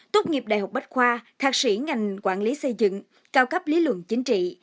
tốt nghiệp đại học bách khoa thạc sĩ ngành quản lý xây dựng cao cấp lý luận chính trị